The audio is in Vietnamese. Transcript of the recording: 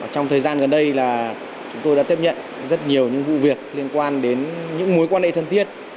trong thời gian gần đây là chúng tôi đã tiếp nhận rất nhiều những vụ việc liên quan đến những mối quan hệ thân thiết